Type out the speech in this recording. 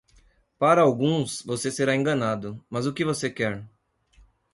Para alguns, você será enganado, mas o que você quer?